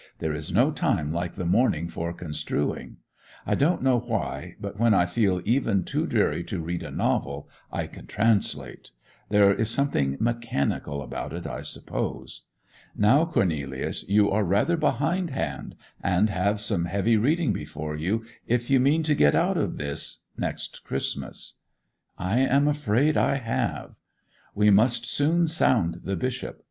There is no time like the morning for construing. I don't know why, but when I feel even too dreary to read a novel I can translate—there is something mechanical about it I suppose. Now, Cornelius, you are rather behindhand, and have some heavy reading before you if you mean to get out of this next Christmas.' 'I am afraid I have.' 'We must soon sound the Bishop.